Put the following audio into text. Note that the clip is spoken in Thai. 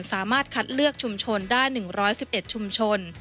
สามารถคัดเลือกชุมชนได้๑๑๑ชุมชน